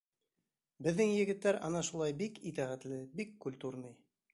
Беҙҙең егеттәр ана шулай бик итәғәтле, бик культурный.